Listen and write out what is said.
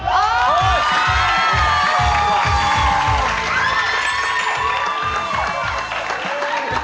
โอ้โฮ